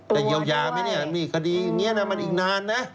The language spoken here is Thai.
เยียวยาไหมเนี่ยมีคดีอย่างนี้นะมันอีกนานนะ